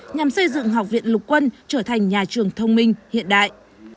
nhằm xây dựng học viện lục quân trở thành nhà trường thông minh hiện đại